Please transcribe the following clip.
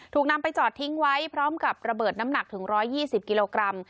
ถูกนำไปจอดทิ้งไว้พร้อมกับระเบิดน้ำหนักถึง๑๒๐กิโลกรัม